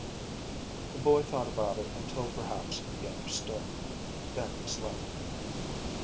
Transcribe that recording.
The boy thought about it until perhaps he understood. Then he slept.